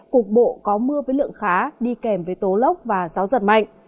cục bộ có mưa với lượng khá đi kèm với tố lốc và gió giật mạnh